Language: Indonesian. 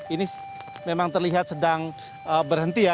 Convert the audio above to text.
ini memang terlihat sedang berhenti ya